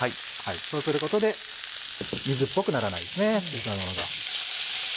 そうすることで水っぽくならないですね。